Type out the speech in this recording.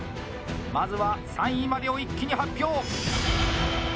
まずは３位までを一気に発表。